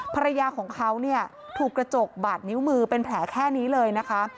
ภรรยาของเขาเนี่ยถูกกระจกบาดนิ้วมือเป็นแผลแค่นี้เลยนะคะ